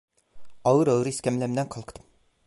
Ağır ağır iskemlemden kalktım.